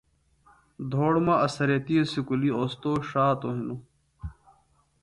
دھوڑ مہ اڅھریتی اُسکولیۡ اوستود ݜاتوۡ ہنوۡ۔